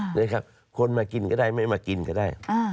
นะครับคนมากินก็ได้ไม่มากินก็ได้